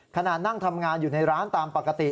ขณะนั่งทำงานอยู่ในร้านตามปกติ